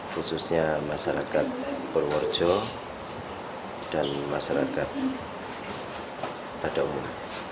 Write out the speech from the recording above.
khususnya masyarakat purworejo dan masyarakat pada umum